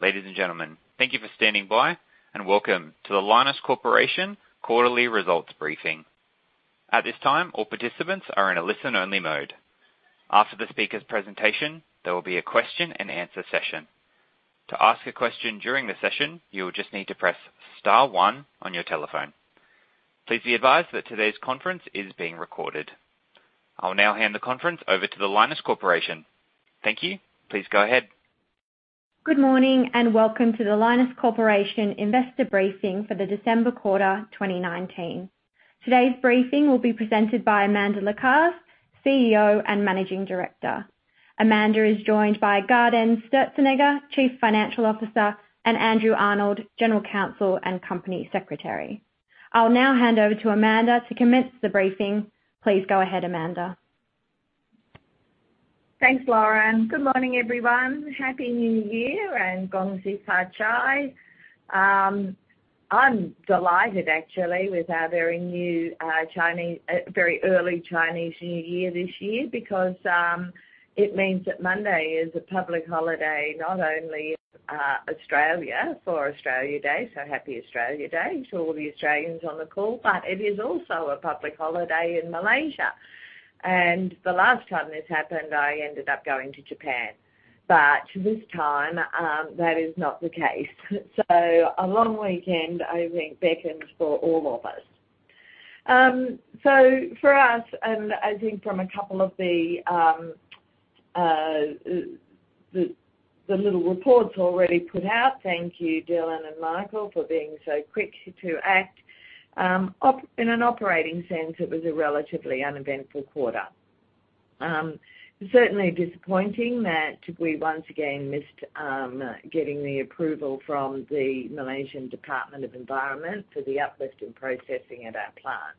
Ladies and gentlemen, thank you for standing by, and welcome to Lynas Rare Earths quarterly results briefing. At this time, all participants are in a listen-only mode. After the speaker's presentation, there will be a question-and-answer session. To ask a question during the session, you will just need to press star one on your telephone. Please be advised that today's conference is being recorded. I'll now hand the conference over to Lynas Rare Earths. Thank you. Please go ahead. Good morning, and welcome to Lynas Rare Earths investor Briefing for the December Quarter, 2019. Today's briefing will be presented by Amanda Lacaze, CEO and Managing Director. Amanda is joined by Gaudenz Sturzenegger, Chief Financial Officer, and Andrew Arnold, General Counsel and Company Secretary. I'll now hand over to Amanda to commence the briefing. Please go ahead, Amanda. Thanks, Lauren, and good morning, everyone. Happy New Year and Gong Xi Fa Cai. I'm delighted actually with our very new, Chinese, very early Chinese New Year this year, because it means that Monday is a public holiday, not only Australia for Australia Day. So Happy Australia Day to all the Australians on the call, but it is also a public holiday in Malaysia. And the last time this happened, I ended up going to Japan, but this time, that is not the case. So a long weekend, I think, beckons for all of us. So for us, and I think from a couple of the little reports already put out, thank you, Dylan and Michael, for being so quick to act. In an operating sense, it was a relatively uneventful quarter. Certainly disappointing that we once again missed getting the approval from the Malaysian Department of Environment for the uplift in processing at our plant.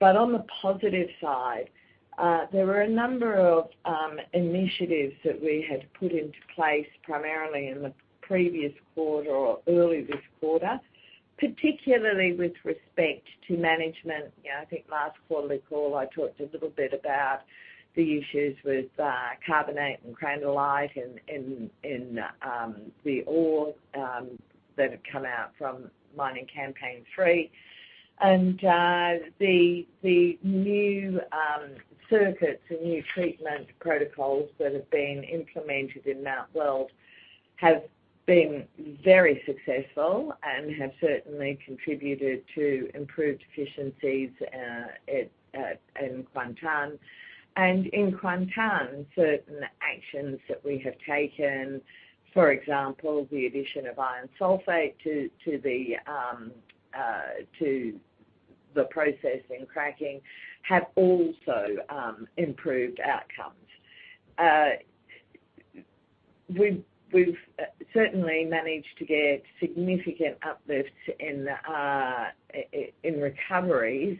But on the positive side, there were a number of initiatives that we had put into place, primarily in the previous quarter or early this quarter, particularly with respect to management. You know, I think last quarterly call, I talked a little bit about the issues with carbonate and crandallite in the ore that had come out from mining campaign three. The new circuits and new treatment protocols that have been implemented in Mount Weld have been very successful and have certainly contributed to improved efficiencies in Kuantan. And in Kuantan, certain actions that we have taken, for example, the addition of iron sulfate to the processing cracking, have also improved outcomes. We've certainly managed to get significant uplifts in the in recoveries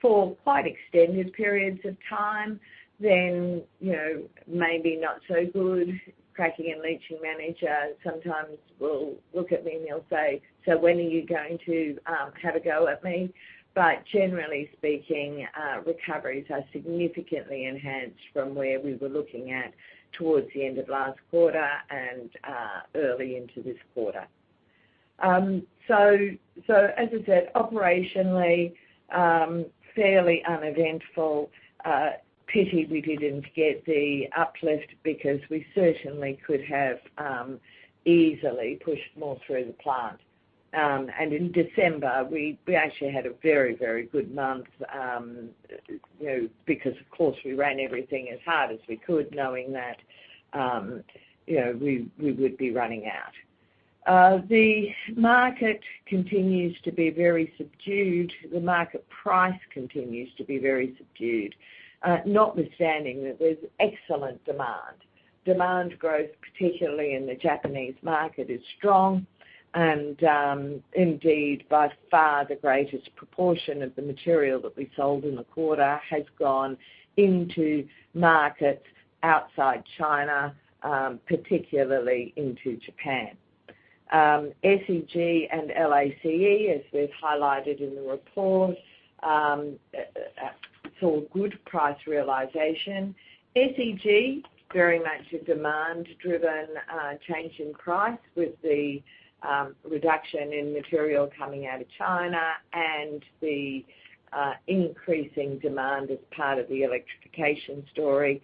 for quite extended periods of time, then, you know, maybe not so good. Cracking and leaching manager sometimes will look at me, and he'll say, "So when are you going to have a go at me?" But generally speaking, recoveries are significantly enhanced from where we were looking at towards the end of last quarter and early into this quarter. So as I said, operationally, fairly uneventful. Pity we didn't get the uplift because we certainly could have easily pushed more through the plant. And in December, we actually had a very, very good month, you know, because, of course, we ran everything as hard as we could, knowing that, you know, we would be running out. The market continues to be very subdued. The market price continues to be very subdued, notwithstanding that there's excellent demand. Demand growth, particularly in the Japanese market, is strong, and, indeed, by far, the greatest proportion of the material that we sold in the quarter has gone into markets outside China, particularly into Japan. SEG and LaCe, as we've highlighted in the report, saw good price realization. SEG, very much a demand-driven, change in price with the, reduction in material coming out of China and the, increasing demand as part of the electrification story.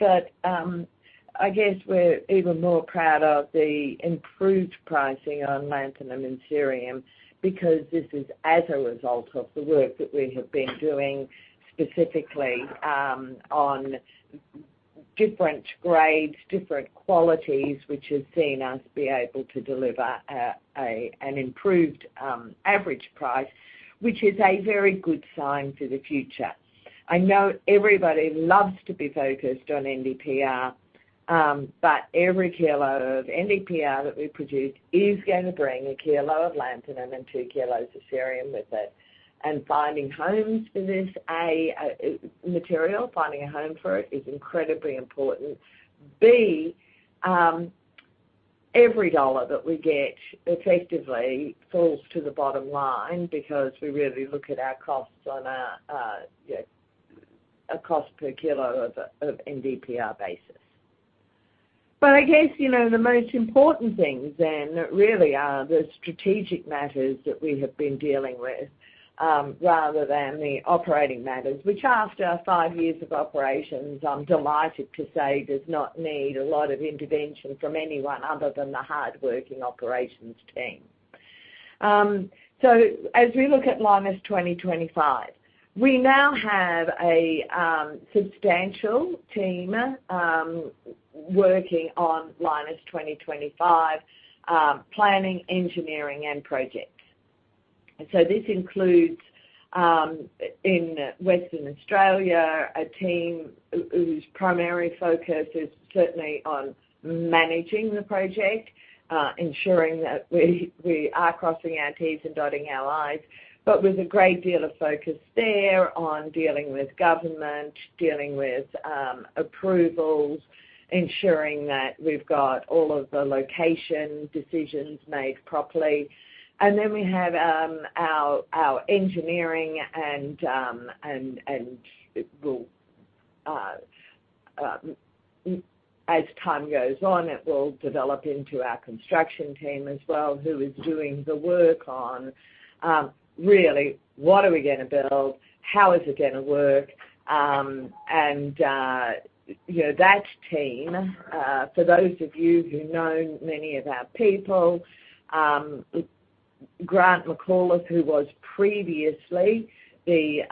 But I guess we're even more proud of the improved pricing on lanthanum and cerium because this is as a result of the work that we have been doing, specifically, on different grades, different qualities, which has seen us be able to deliver an improved average price, which is a very good sign for the future. I know everybody loves to be focused on NdPr, but every kilo of NdPr that we produce is gonna bring 1 kg of lanthanum and 2 kg of cerium with it. And finding homes for this, A, material, finding a home for it is incredibly important. B, every dollar that we get effectively falls to the bottom line because we really look at our costs on a cost per kilo of NdPr basis. Well, I guess, you know, the most important things then really are the strategic matters that we have been dealing with, rather than the operating matters, which after five years of operations, I'm delighted to say, does not need a lot of intervention from anyone other than the hardworking operations team. So as we look at Lynas 2025, we now have a substantial team working on Lynas 2025 planning, engineering, and project. And so this includes, in Western Australia, a team whose primary focus is certainly on managing the project, ensuring that we are crossing our T's and dotting our I's. But with a great deal of focus there on dealing with government, dealing with approvals, ensuring that we've got all of the location decisions made properly. And then we have our engineering and well, as time goes on, it will develop into our construction team as well, who is doing the work on really what are we gonna build? How is it gonna work? And you know, that team, for those of you who know many of our people, Grant McAuliffe, who was previously the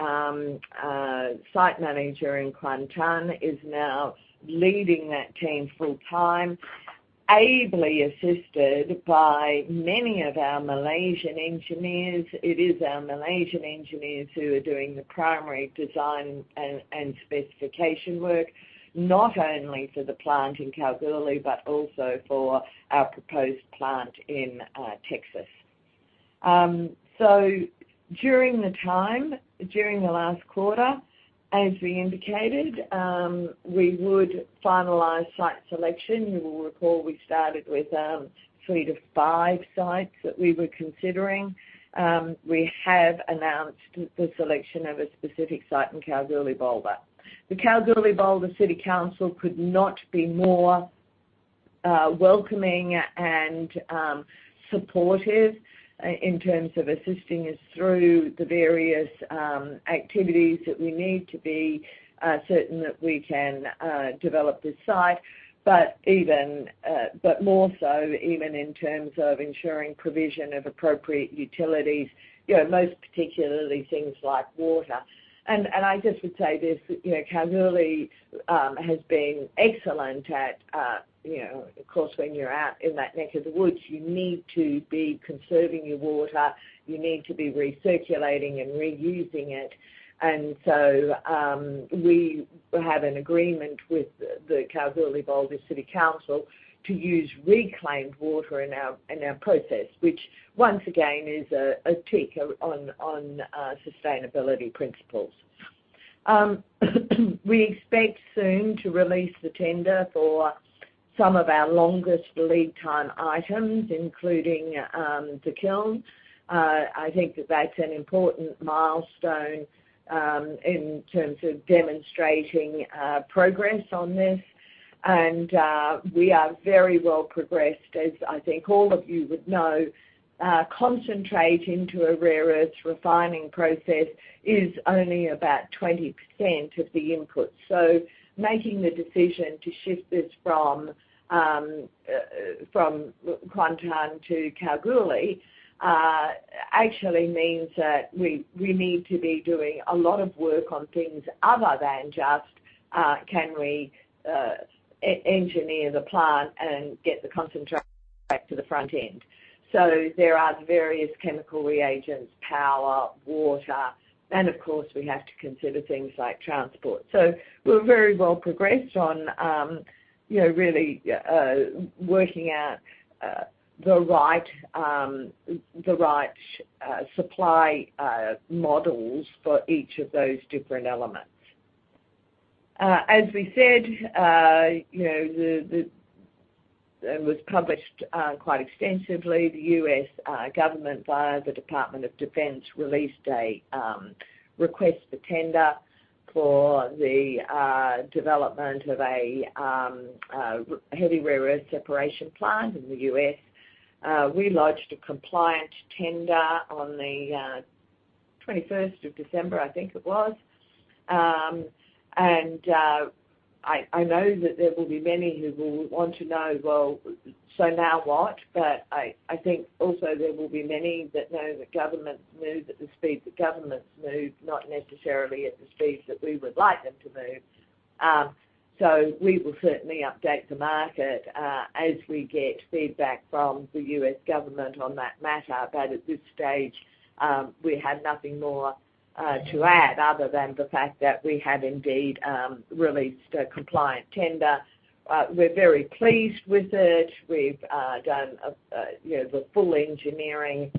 site manager in Kuantan, is now leading that team full-time, ably assisted by many of our Malaysian engineers. It is our Malaysian engineers who are doing the primary design and specification work, not only for the plant in Kalgoorlie, but also for our proposed plant in Texas. So during the time, during the last quarter, as we indicated, we would finalize site selection. You will recall we started with three to five sites that we were considering. We have announced the selection of a specific site in Kalgoorlie-Boulder. The Kalgoorlie-Boulder City Council could not be more welcoming and supportive in terms of assisting us through the various activities that we need to be certain that we can develop this site. But even but more so even in terms of ensuring provision of appropriate utilities, you know, most particularly things like water. And, and I just would say this, you know, Kalgoorlie has been excellent at, you know, of course, when you're out in that neck of the woods, you need to be conserving your water. You need to be recirculating and reusing it. And so, we have an agreement with the Kalgoorlie-Boulder City Council to use reclaimed water in our process, which once again is a tick on sustainability principles. We expect soon to release the tender for some of our longest lead time items, including the kiln. I think that that's an important milestone in terms of demonstrating progress on this. And, we are very well progressed, as I think all of you would know. Concentrate into a rare earths refining process is only about 20% of the input. So making the decision to shift this from from Kuantan to Kalgoorlie actually means that we we need to be doing a lot of work on things other than just can we engineer the plant and get the concentrate back to the front end? So there are various chemical reagents, power, water, and of course, we have to consider things like transport. So we're very well progressed on you know really working out the right the right supply models for each of those different elements. As we said you know the the it was published quite extensively. The U.S. government via the Department of Defense released a request for tender for the development of a a heavy rare earth separation plant in the U.S. We lodged a compliant tender on the 21st of December, I think it was. And I know that there will be many who will want to know, well, so now what? But I think also there will be many that know that governments move at the speed that governments move, not necessarily at the speeds that we would like them to move. So we will certainly update the market as we get feedback from the U.S. government on that matter. But at this stage, we have nothing more to add other than the fact that we have indeed released a compliant tender. We're very pleased with it. We've done, you know, the full engineering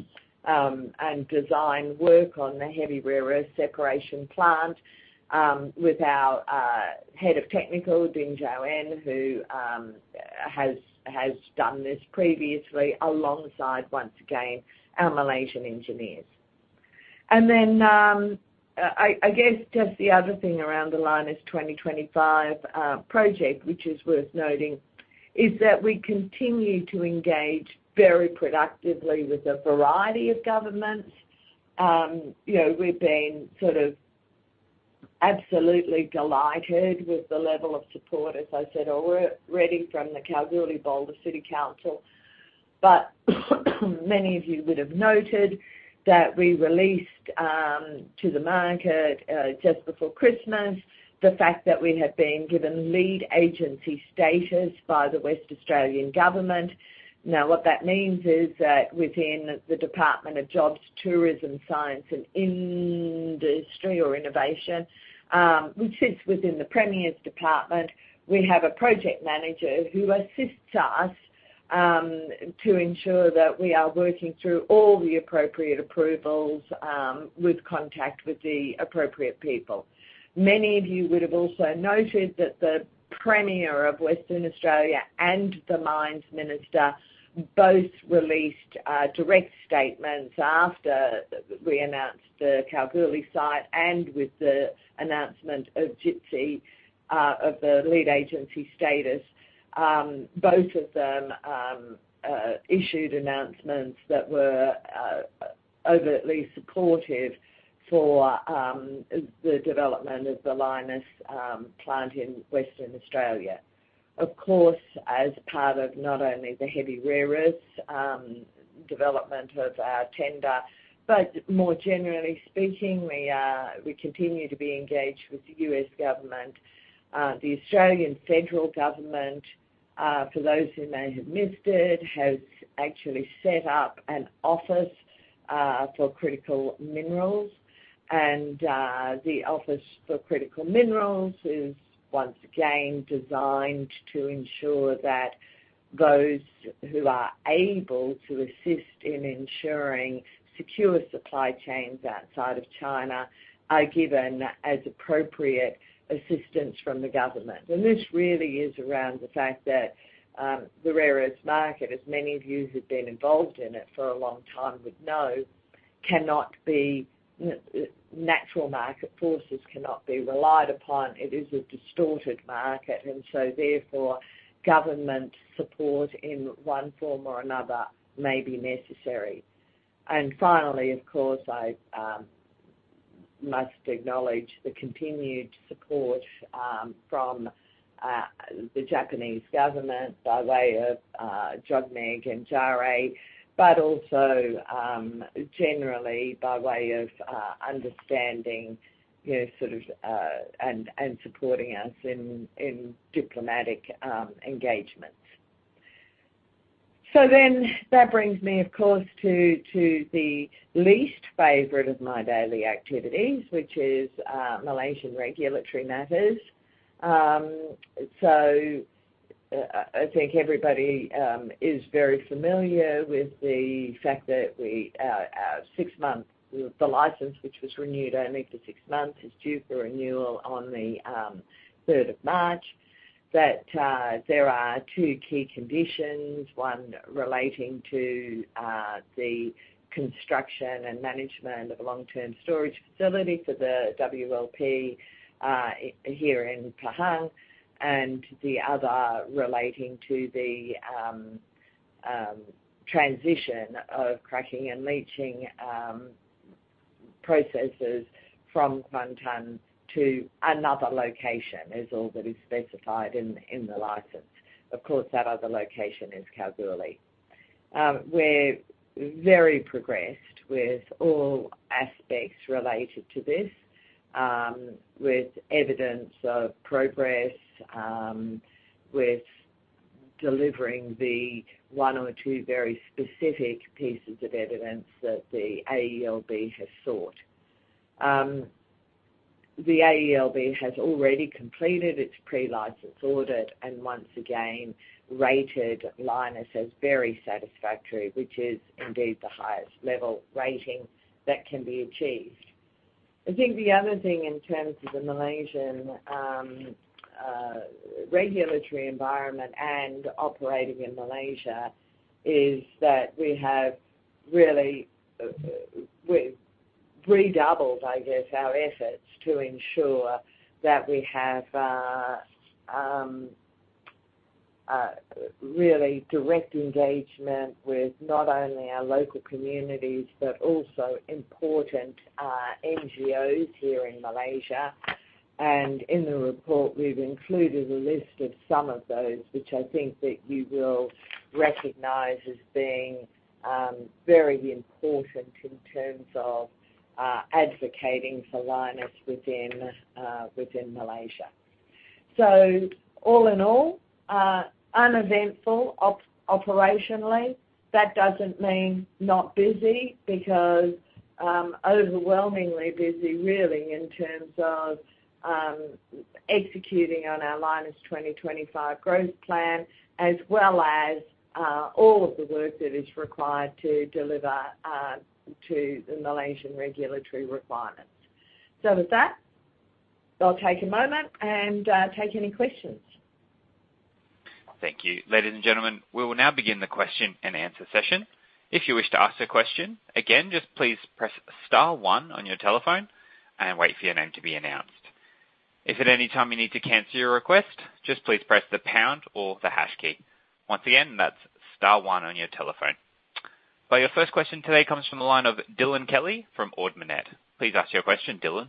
and design work on the heavy rare earth separation plant with our Head of Technical, Ding Joanne, who has done this previously, alongside, once again, our Malaysian engineers. And then, I guess just the other thing around the Lynas 2025 project, which is worth noting, is that we continue to engage very productively with a variety of governments. You know, we've been sort of absolutely delighted with the level of support, as I said, already from the Kalgoorlie-Boulder City Council. But many of you would have noted that we released to the market, just before Christmas, the fact that we have been given lead agency status by the Western Australian government. Now, what that means is that within the Department of Jobs, Tourism, Science, and Industry or Innovation, which sits within the Premier's department, we have a project manager who assists us to ensure that we are working through all the appropriate approvals, with contact with the appropriate people. Many of you would have also noted that the Premier of Western Australia and the Mines Minister both released direct statements after we announced the Kalgoorlie site and with the announcement of JTSI of the lead agency status. Both of them issued announcements that were overtly supportive for the development of the Lynas plant in Western Australia. Of course, as part of not only the heavy rare earths development of our tender, but more generally speaking, we, we continue to be engaged with the U.S. government. The Australian Federal Government, for those who may have missed it, has actually set up an office for critical minerals. The Office for Critical Minerals is once again designed to ensure that those who are able to assist in ensuring secure supply chains outside of China are given, as appropriate, assistance from the government. This really is around the fact that the rare earths market, as many of you who've been involved in it for a long time would know, natural market forces cannot be relied upon. It is a distorted market, and so therefore, government support in one form or another may be necessary. And finally, of course, I must acknowledge the continued support from the Japanese government by way of JOGMEC and JARE, but also generally by way of understanding, you know, sort of, and supporting us in diplomatic engagements. So then that brings me, of course, to the least favorite of my daily activities, which is Malaysian regulatory matters. So I think everybody is very familiar with the fact that the license, which was renewed only for six months, is due for renewal on the third of March. That there are two key conditions: one relating to the construction and management of a long-term storage facility for the WLP here in Pahang, and the other relating to the transition of cracking and leaching processes from Kuantan to another location, is all that is specified in the license. Of course, that other location is Kalgoorlie. We're very progressed with all aspects related to this, with evidence of progress with delivering the one or two very specific pieces of evidence that the AELB has sought. The AELB has already completed its pre-license audit and once again, rated Lynas as very satisfactory, which is indeed the highest level rating that can be achieved. I think the other thing in terms of the Malaysian regulatory environment and operating in Malaysia is that we have really we've redoubled, I guess, our efforts to ensure that we have really direct engagement with not only our local communities, but also important NGOs here in Malaysia. And in the report, we've included a list of some of those, which I think that you will recognize as being very important in terms of advocating for Lynas within within Malaysia. So all in all uneventful operationally, that doesn't mean not busy, because overwhelmingly busy, really, in terms of executing on our Lynas 2025 growth plan, as well as all of the work that is required to deliver to the Malaysian regulatory requirements. So with that, I'll take a moment and take any questions. Thank you. Ladies and gentlemen, we will now begin the question-and-answer session. If you wish to ask a question, again, just please press star one on your telephone and wait for your name to be announced. If at any time you need to cancel your request, just please press the pound or the hash key. Once again, that's star one on your telephone. But your first question today comes from the line of Dylan Kelly from Ord Minnett. Please ask your question, Dylan.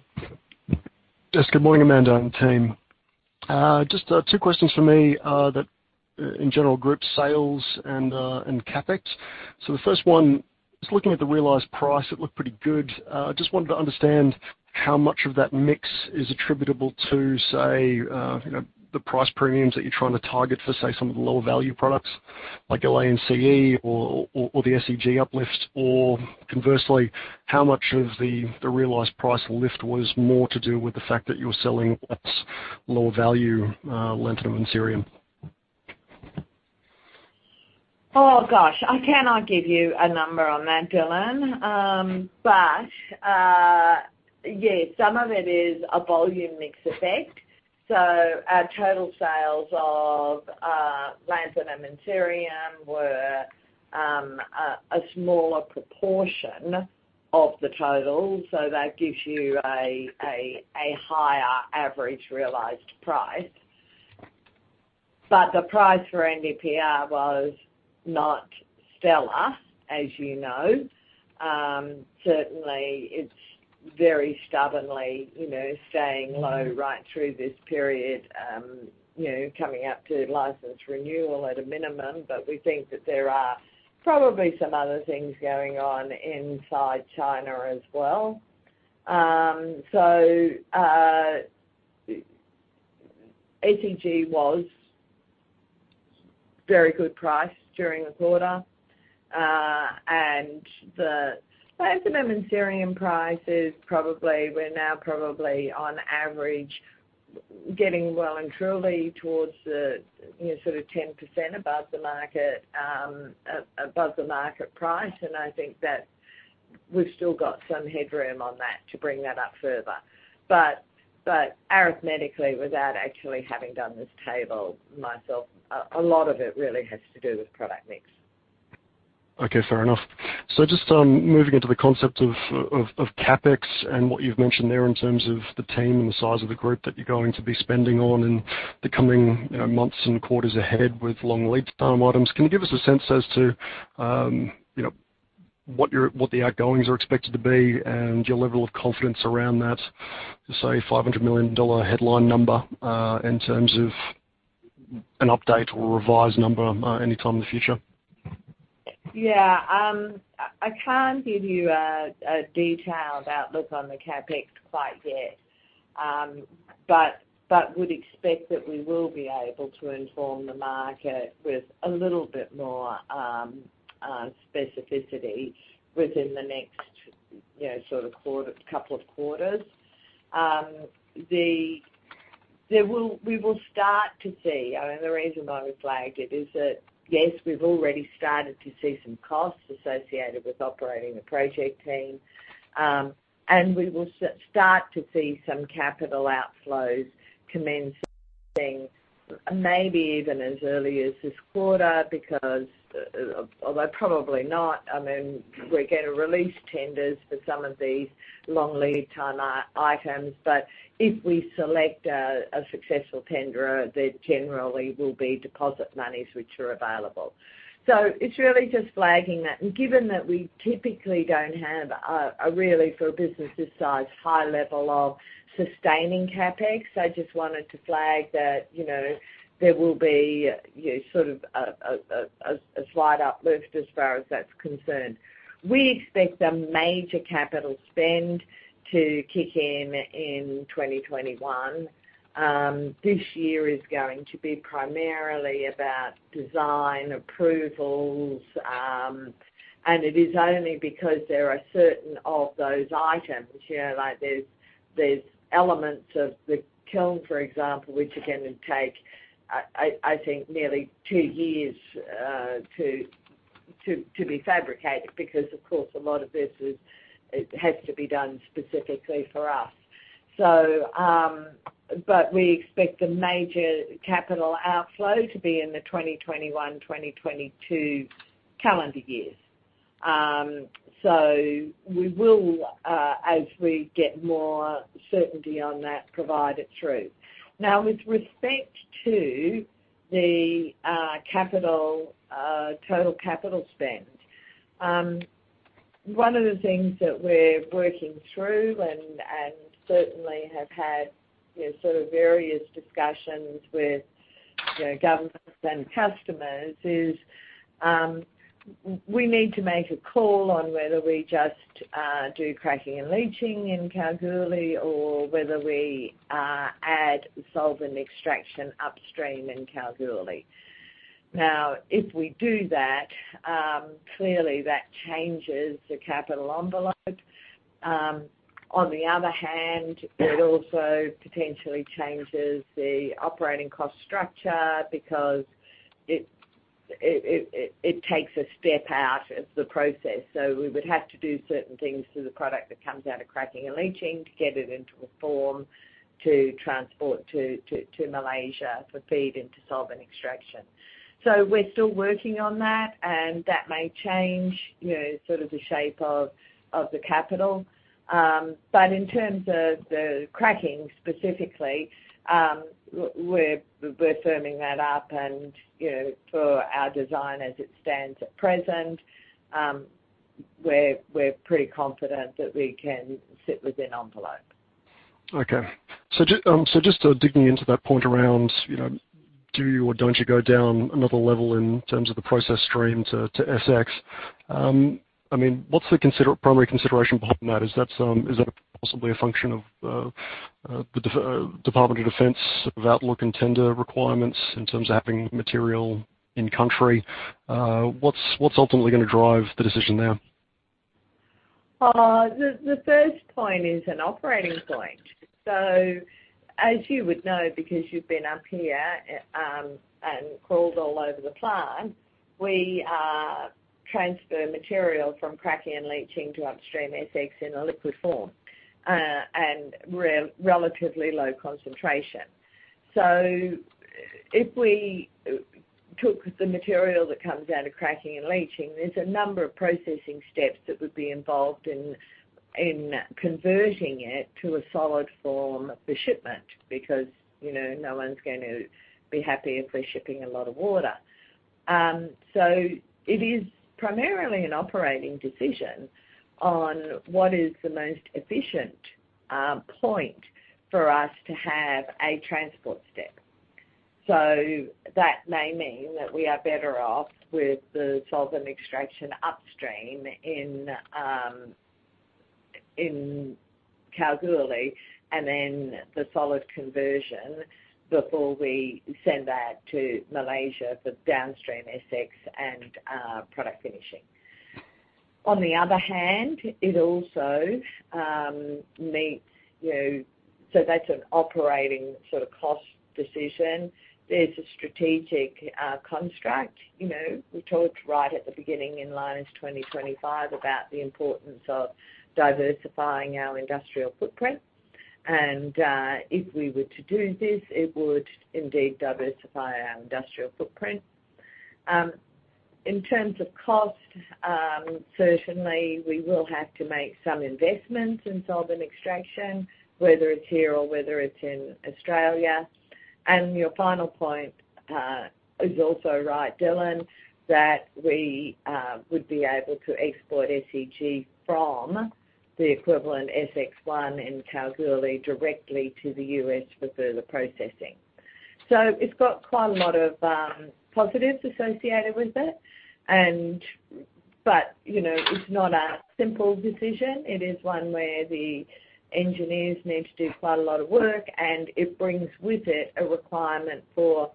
Yes, good morning, Amanda and team. Just two questions for me that in general, group sales and CapEx. So the first one, just looking at the realized price, it looked pretty good. Just wanted to understand how much of that mix is attributable to, say, you know, the price premiums that you're trying to target for, say, some of the lower value products like LaCe or the SEG uplifts? Or conversely, how much of the realized price lift was more to do with the fact that you're selling less lower value lanthanum and cerium? Oh, gosh, I cannot give you a number on that, Dylan. But, yes, some of it is a volume mix effect. So our total sales of lanthanum and cerium were a smaller proportion of the total, so that gives you a higher average realized price. But the price for NdPr was not stellar, as you know. Certainly it's very stubbornly, you know, staying low right through this period, you know, coming up to license renewal at a minimum. But we think that there are probably some other things going on inside China as well. So, SEG was very good price during the quarter. And the lanthanum and cerium prices, probably, we're now probably on average, getting well and truly towards the, you know, sort of 10% above the market, above the market price. I think that we've still got some headroom on that to bring that up further. But arithmetically, without actually having done this table myself, a lot of it really has to do with product mix. Okay, fair enough. So just moving into the concept of CapEx and what you've mentioned there in terms of the team and the size of the group that you're going to be spending on in the coming, you know, months and quarters ahead with long lead time items. Can you give us a sense as to, you know, what the outgoings are expected to be and your level of confidence around that, say, 500 million dollar headline number, in terms of an update or revised number, anytime in the future? Yeah. I can't give you a detailed outlook on the CapEx quite yet. But would expect that we will be able to inform the market with a little bit more specificity within the next, you know, sort of quarter, couple of quarters. We will start to see, I mean, the reason I would flag it is that, yes, we've already started to see some costs associated with operating the project team. And we will start to see some capital outflows commencing maybe even as early as this quarter, because, although probably not, I mean, we're going to release tenders for some of these long lead time items. But if we select a successful tenderer, there generally will be deposit monies which are available. So it's really just flagging that. Given that we typically don't have a really, for a business this size, high level of sustaining CapEx, I just wanted to flag that, you know, there will be, you know, sort of a slight uplift as far as that's concerned. We expect a major capital spend to kick in in 2021. This year is going to be primarily about design approvals, and it is only because there are certain of those items, you know, like there's elements of the kiln, for example, which are going to take, I think nearly two years, to be fabricated because, of course, a lot of this is it has to be done specifically for us. So, but we expect the major capital outflow to be in the 2021, 2022 calendar years. So we will, as we get more certainty on that, provide it through. Now, with respect to the capital, total capital spend, one of the things that we're working through and certainly have had, you know, sort of various discussions with, you know, governments and customers, is we need to make a call on whether we just do cracking and leaching in Kalgoorlie or whether we add solvent extraction upstream in Kalgoorlie. Now, if we do that, clearly that changes the capital envelope. On the other hand, it also potentially changes the operating cost structure because it takes a step out of the process. So we would have to do certain things to the product that comes out of cracking and leaching to get it into a form to transport to Malaysia for feed and to solvent extraction. So we're still working on that, and that may change, you know, sort of the shape of the capital. But in terms of the cracking specifically, we're firming that up. And, you know, for our design as it stands at present, we're pretty confident that we can sit within envelope. Okay. So just digging into that point around, you know, do you or don't you go down another level in terms of the process stream to SX. I mean, what's the primary consideration behind that? Is that possibly a function of the Department of Defense sort of outlook and tender requirements in terms of having material in country? What's ultimately gonna drive the decision now? The first point is an operating point. So as you would know, because you've been up here and crawled all over the plant, we transfer material from cracking and leaching to upstream SX in a liquid form and relatively low concentration. So if we took the material that comes out of cracking and leaching, there's a number of processing steps that would be involved in converting it to a solid form for shipment, because, you know, no one's going to be happy if we're shipping a lot of water. So it is primarily an operating decision on what is the most efficient point for us to have a transport step. So that may mean that we are better off with the solvent extraction upstream in Kalgoorlie, and then the solid conversion before we send that to Malaysia for downstream SX and product finishing. On the other hand, it also meets, you know. So that's an operating sort of cost decision. There's a strategic construct. You know, we talked right at the beginning in Lynas 2025, about the importance of diversifying our industrial footprint. And if we were to do this, it would indeed diversify our industrial footprint. In terms of cost, certainly we will have to make some investments in solvent extraction, whether it's here or whether it's in Australia. And your final point is also right, Dylan, that we would be able to export SEG from the equivalent SX1 in Kalgoorlie directly to the U.S. for further processing. So it's got quite a lot of positives associated with it, but, you know, it's not a simple decision. It is one where the engineers need to do quite a lot of work, and it brings with it a requirement for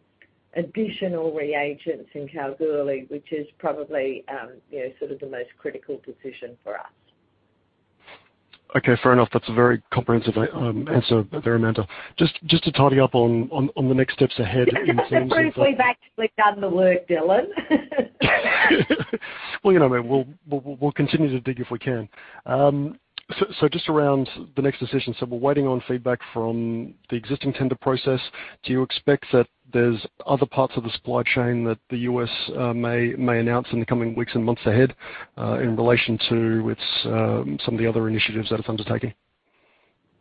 additional reagents in Kalgoorlie, which is probably, you know, sort of the most critical decision for us. Okay, fair enough. That's a very comprehensive answer there, Amanda. Just to tidy up on the next steps ahead in the- It's proof we've actually done the work, Dylan. Well, you know, I mean, we'll continue to dig if we can. So just around the next decision. So we're waiting on feedback from the existing tender process. Do you expect that there's other parts of the supply chain that the U.S. may announce in the coming weeks and months ahead, in relation to its some of the other initiatives that it's undertaking?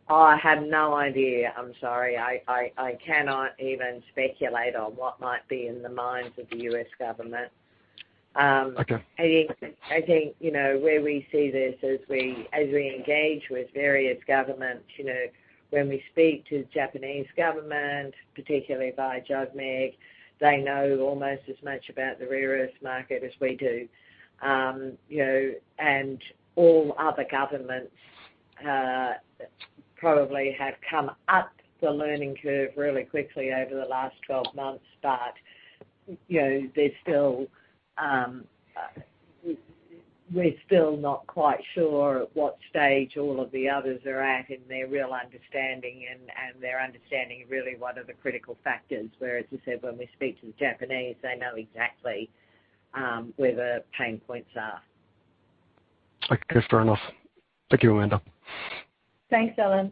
I have no idea. I'm sorry. I cannot even speculate on what might be in the minds of the U.S. government. Okay. I think, I think, you know, where we see this as we, as we engage with various governments, you know, when we speak to the Japanese government, particularly via JOGMEC, they know almost as much about the rare earth market as we do. You know, and all other governments probably have come up the learning curve really quickly over the last 12 months. But, you know, they're still, we're still not quite sure at what stage all of the others are at in their real understanding and, and their understanding really, what are the critical factors? Whereas, you said, when we speak to the Japanese, they know exactly, where the pain points are. Okay, fair enough. Thank you, Amanda. Thanks, Dylan.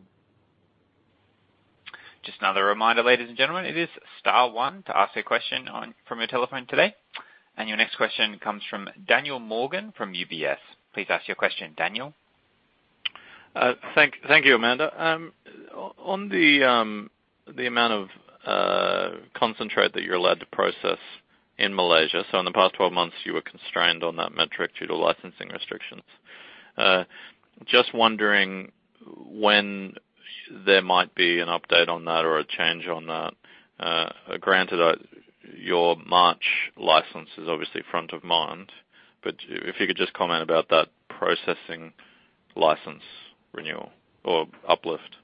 Just another reminder, ladies and gentlemen. It is star one to ask a question on from your telephone today. Your next question comes from Daniel Morgan from UBS. Please ask your question, Daniel. Thank you, Amanda. On the amount of concentrate that you're allowed to process in Malaysia, so in the past 12 months, you were constrained on that metric due to licensing restrictions. Just wondering when there might be an update on that or a change on that? Granted, your March license is obviously front of mind, but if you could just comment about that processing license renewal or uplift.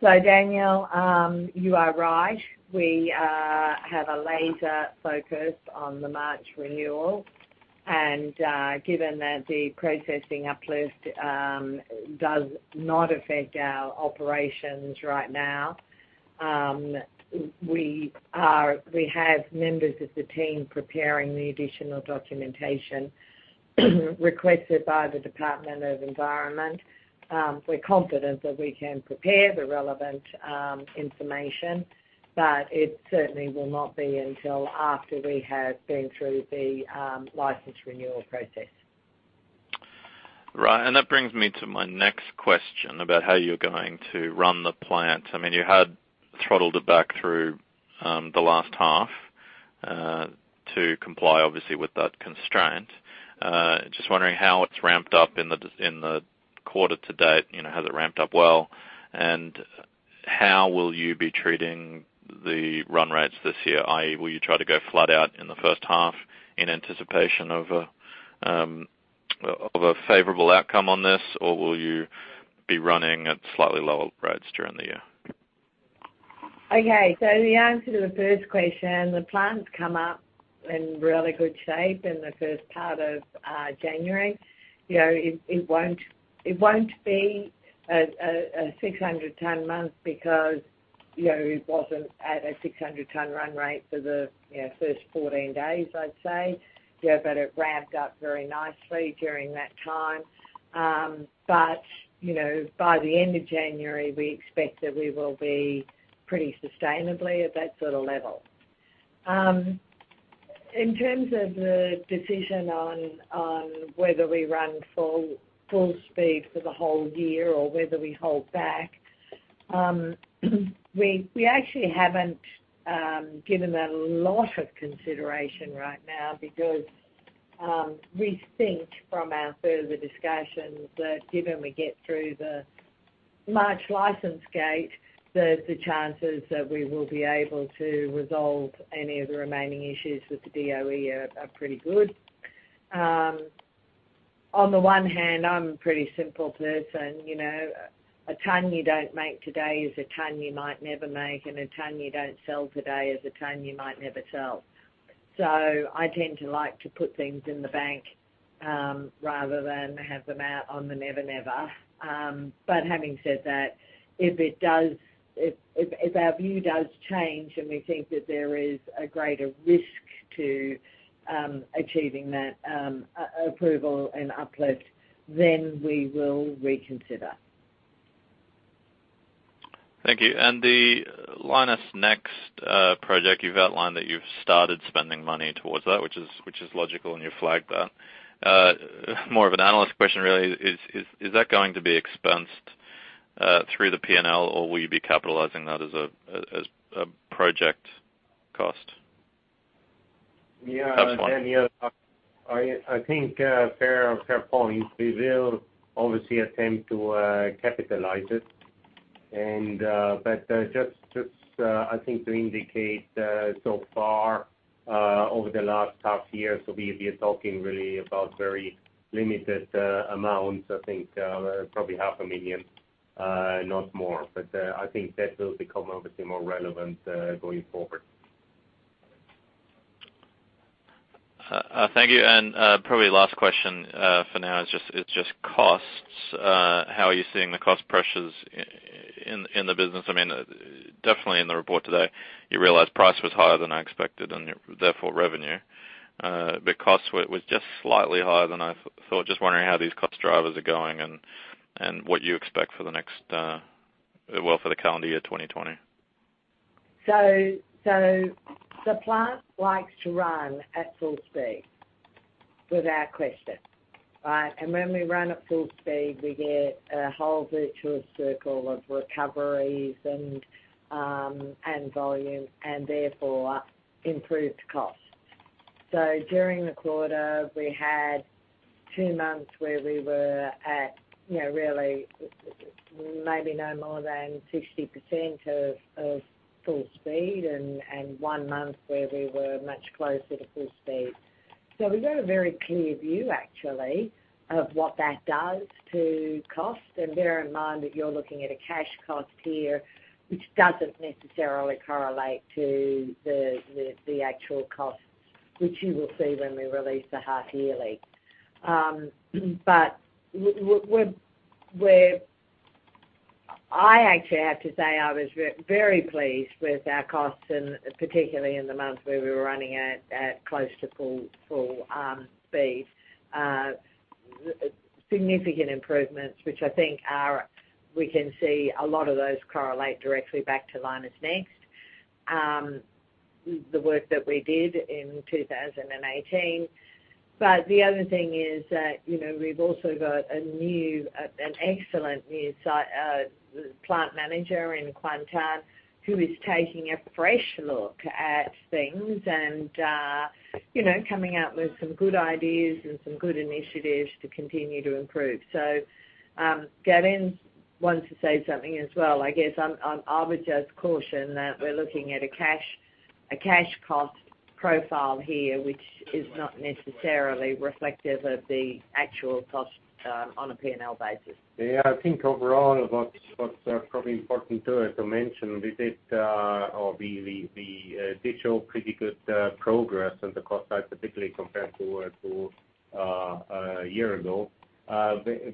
So Daniel, you are right. We have a laser focus on the March renewal. And, given that the processing uplift does not affect our operations right now, we are, we have members of the team preparing the additional documentation requested by the Department of Environment. We're confident that we can prepare the relevant information, but it certainly will not be until after we have been through the license renewal process. Right. That brings me to my next question about how you're going to run the plant. I mean, you had throttled it back through the last half to comply, obviously, with that constraint. Just wondering how it's ramped up in the quarter to date, you know, has it ramped up well? And how will you be treating the run rates this year, i.e., will you try to go flat out in the first half in anticipation of a favorable outcome on this? Or will you be running at slightly lower rates during the year? Okay. So the answer to the first question, the plant's come up in really good shape in the first part of January. You know, it, it won't, it won't be a 600 ton month because, you know, it wasn't at a 600 ton run rate for the, you know, first 14 days, I'd say. Yeah, but it ramped up very nicely during that time. But, you know, by the end of January, we expect that we will be pretty sustainably at that sort of level. In terms of the decision on whether we run full speed for the whole year or whether we hold back, we actually haven't given that a lot of consideration right now because we think from our further discussions that given we get through the March license gate, the chances that we will be able to resolve any of the remaining issues with the DOE are pretty good. On the one hand, I'm a pretty simple person, you know, a ton you don't make today is a ton you might never make, and a ton you don't sell today is a ton you might never sell. So I tend to like to put things in the bank, rather than have them out on the never-never. But having said that, if our view does change, and we think that there is a greater risk to achieving that approval and uplift, then we will reconsider. Thank you. And the Lynas NEXT project, you've outlined that you've started spending money towards that, which is, which is logical, and you flagged that. More of an analyst question really, is, is, is that going to be expensed through the P&L, or will you be capitalizing that as a, as, a project cost? Yeah- That's one. I think, fair point. We will obviously attempt to capitalize it. But just I think to indicate, so far, over the last half year, so we are talking really about very limited amounts, I think, probably 500,000, not more. But I think that will become obviously more relevant, going forward. Thank you. And, probably last question for now is just, it's just costs. How are you seeing the cost pressures in the business? I mean, definitely in the report today, you realized price was higher than I expected, and your therefore revenue. But costs were just slightly higher than I thought. Just wondering how these cost drivers are going and what you expect for the next, well, for the calendar year 2020. So the plant likes to run at full speed, without question, right? And when we run at full speed, we get a whole virtuous circle of recoveries and and volume, and therefore, improved costs. So during the quarter, we had two months where we were at, you know, really maybe no more than 60% of full speed and one month where we were much closer to full speed. So we've got a very clear view, actually, of what that does to cost. And bear in mind that you're looking at a cash cost here, which doesn't necessarily correlate to the actual cost, which you will see when we release the half yearly. But we're—I actually have to say, I was very pleased with our costs, and particularly in the months where we were running at close to full speed. Significant improvements, which I think are, we can see a lot of those correlate directly back to Lynas NEXT, the work that we did in 2018. But the other thing is that, you know, we've also got an excellent new site plant manager in Kuantan, who is taking a fresh look at things and, you know, coming out with some good ideas and some good initiatives to continue to improve. So, Gaudenz wants to say something as well. I guess, I would just caution that we're looking at a cash cost profile here, which is not necessarily reflective of the actual cost, on a P&L basis. Yeah, I think overall, what's probably important too, is to mention we did show pretty good progress on the cost side, particularly compared to a year ago.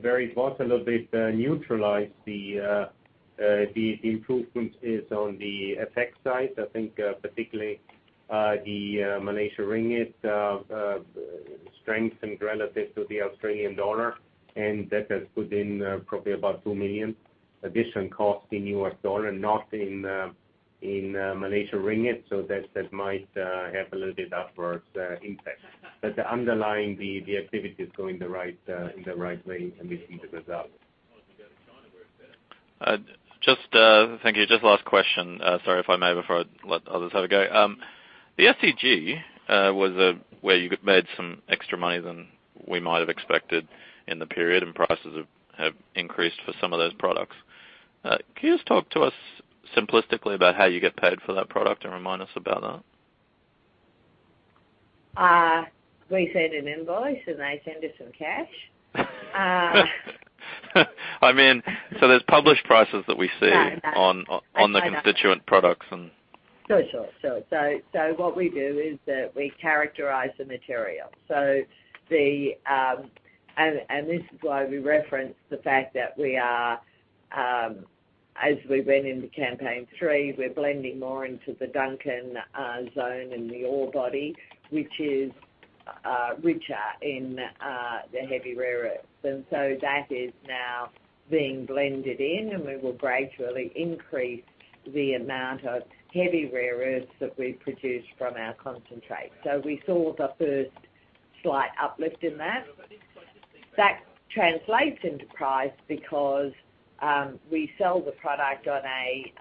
Very important, a little bit neutralized the improvement on the FX side. I think, particularly, the Malaysian ringgit strengthened relative to the Australian dollar, and that has put in probably about $2 million additional cost in U.S. dollar, not in Malaysian ringgit. So that might have a little bit upwards impact. But the underlying activity is going in the right way, and we see the result. Just, thank you. Just last question, sorry, if I may, before I let others have a go. The SEG was where you made some extra money than we might have expected in the period, and prices have increased for some of those products. Can you just talk to us simplistically about how you get paid for that product and remind us about that? We send an invoice, and they send us some cash. I mean, so there's published prices that we see- No, no on the constituent products and- Sure, sure, sure. So what we do is that we characterize the material. So this is why we reference the fact that we are, as we went into campaign three, we're blending more into the Duncan zone and the ore body, which is richer in the heavy rare earths. And so that is now being blended in, and we will gradually increase the amount of heavy rare earths that we produce from our concentrate. So we saw the first slight uplift in that. That translates into price because we sell the product on a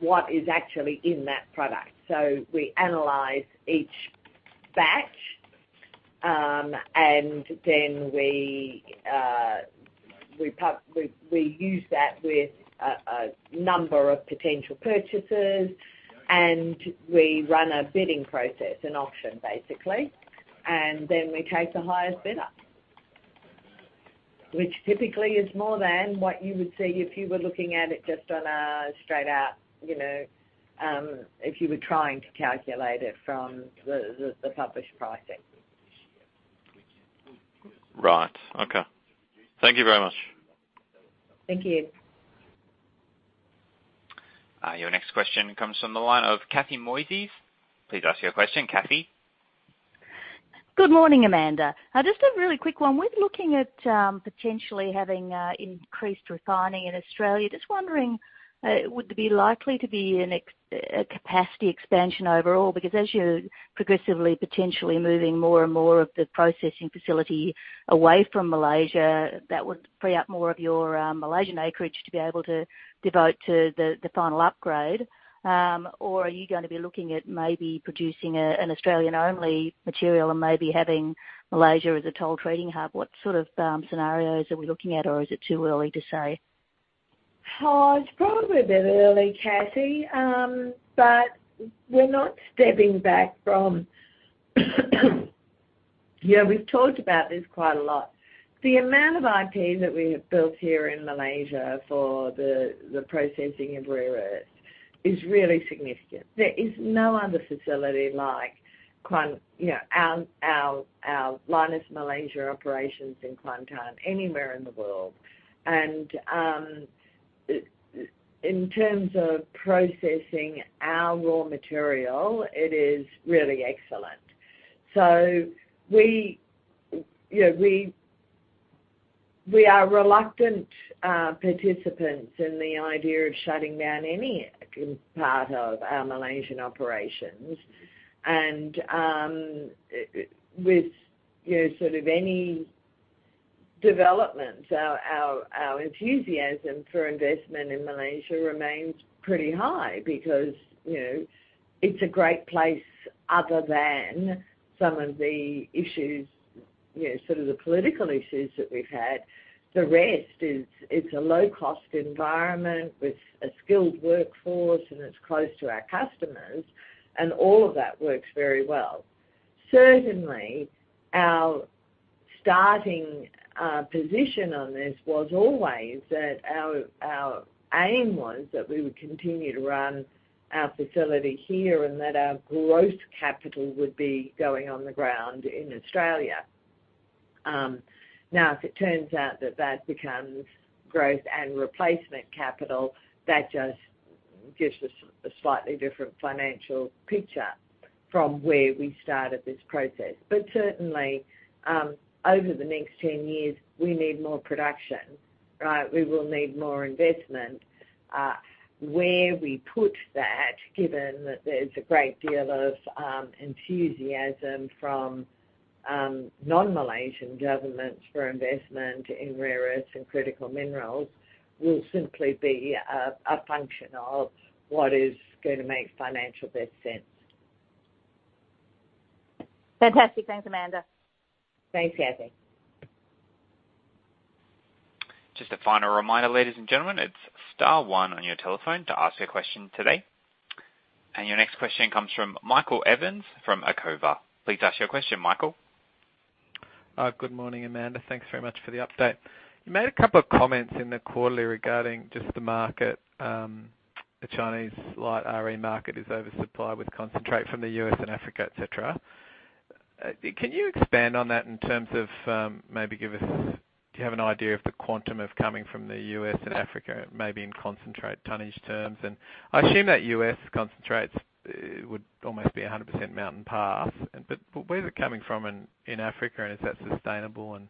what is actually in that product. So we analyze each batch, and then we use that with a number of potential purchasers, and we run a bidding process, an auction, basically. Then we take the highest bidder. Which typically is more than what you would see if you were looking at it just on a straight out, you know, if you were trying to calculate it from the published pricing. Right. Okay. Thank you very much. Thank you. Your next question comes from the line of Cathy Moises. Please ask your question, Cathy. Good morning, Amanda. Just a really quick one. We're looking at potentially having increased refining in Australia. Just wondering, would there be likely to be a capacity expansion overall? Because as you're progressively potentially moving more and more of the processing facility away from Malaysia, that would free up more of your Malaysian acreage to be able to devote to the final upgrade. Or are you going to be looking at maybe producing an Australian-only material and maybe having Malaysia as a toll treating hub? What sort of scenarios are we looking at, or is it too early to say? Oh, it's probably a bit early, Cathy. But we're not stepping back from... Yeah, we've talked about this quite a lot. The amount of IP that we have built here in Malaysia for the processing of rare earths is really significant. There is no other facility like Kuantan, you know, our Lynas Malaysia operations in Kuantan, anywhere in the world. And in terms of processing our raw material, it is really excellent. So we, you know, we are reluctant participants in the idea of shutting down any part of our Malaysian operations. And with, you know, sort of any development, our enthusiasm for investment in Malaysia remains pretty high because, you know, it's a great place other than some of the issues, you know, sort of the political issues that we've had. The rest is, it's a low-cost environment with a skilled workforce, and it's close to our customers, and all of that works very well. Certainly, our starting position on this was always that our aim was that we would continue to run our facility here and that our growth capital would be going on the ground in Australia. Now, if it turns out that that becomes growth and replacement capital, that just gives us a slightly different financial picture from where we started this process. But certainly, over the next 10 years, we need more production, right? We will need more investment. Where we put that, given that there's a great deal of enthusiasm from non-Malaysian governments for investment in rare earths and critical minerals, will simply be a function of what is going to make financial best sense. Fantastic. Thanks, Amanda. Thanks, Cathy. Just a final reminder, ladies and gentlemen, it's star one on your telephone to ask your question today. Your next question comes from Michael Evans from Acova. Please ask your question, Michael. Good morning, Amanda. Thanks very much for the update. You made a couple of comments in the quarterly regarding just the market. The Chinese light RE market is oversupplied with concentrate from the U.S. and Africa, et cetera. Can you expand on that in terms of, maybe give us— Do you have an idea of the quantum of coming from the U.S. and Africa, maybe in concentrate tonnage terms? And I assume that U.S. concentrates would almost be 100% Mountain Pass, but where is it coming from in Africa, and is that sustainable, and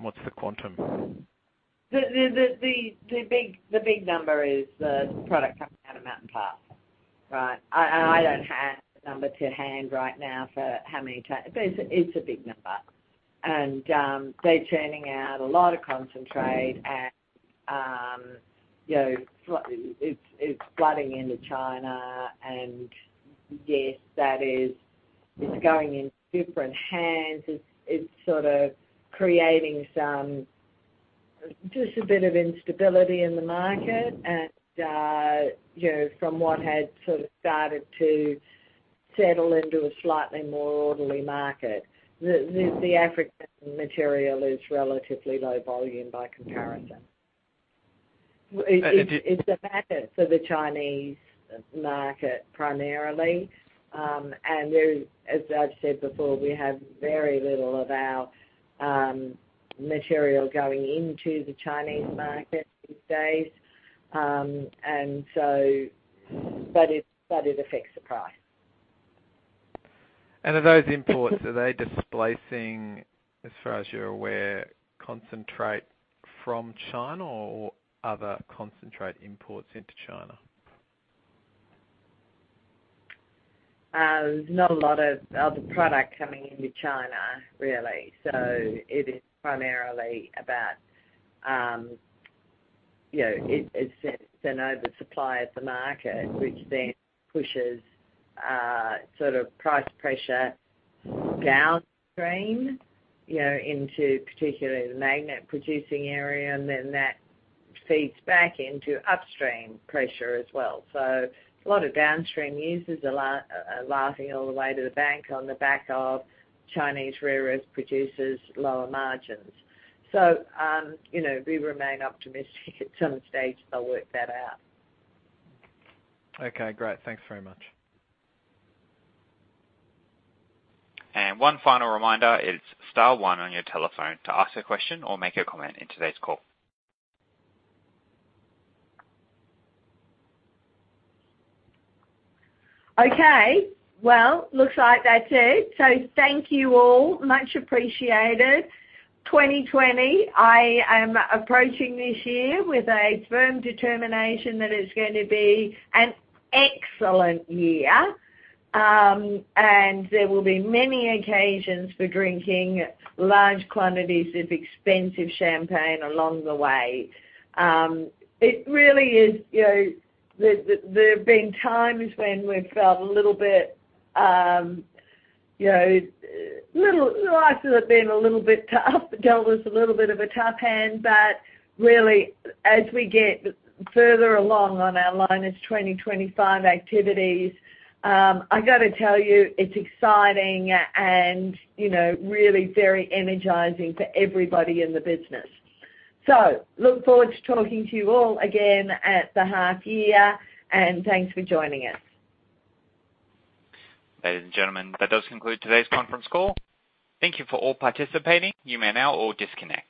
what's the quantum? The big number is the product coming out of Mountain Pass, right? I don't have the number to hand right now for how many times, but it's a big number. And they're churning out a lot of concentrate and you know, it's flooding into China. And yes, that is, it's going in different hands. It's sort of creating some, just a bit of instability in the market. And you know, from what had sort of started to settle into a slightly more orderly market. The African material is relatively low volume by comparison. But did you- It's a matter for the Chinese market, primarily. And, as I've said before, we have very little of our material going into the Chinese market these days. And so, but it affects the price. Are those imports, are they displacing, as far as you're aware, concentrate from China or other concentrate imports into China? There's not a lot of other product coming into China, really, so it is primarily about, you know, it, it's an oversupply of the market, which then pushes, sort of price pressure downstream, you know, into particularly the magnet producing area, and then that feeds back into upstream pressure as well. So a lot of downstream users are laughing all the way to the bank on the back of Chinese rare earth producers' lower margins. So, you know, we remain optimistic at some stage, they'll work that out. Okay, great. Thanks very much. One final reminder, it's star one on your telephone to ask a question or make a comment in today's call. Okay, well, looks like that's it. So thank you all. Much appreciated. 2020, I am approaching this year with a firm determination that it's going to be an excellent year. And there will be many occasions for drinking large quantities of expensive champagne along the way. It really is, you know, there have been times when we've felt a little bit, you know, life has been a little bit tough, dealt us a little bit of a tough hand. But really, as we get further along on our Lynas 2025 activities, I've got to tell you, it's exciting and, you know, really very energizing for everybody in the business. So look forward to talking to you all again at the half year, and thanks for joining us. Ladies and gentlemen, that does conclude today's conference call. Thank you for all participating. You may now all disconnect.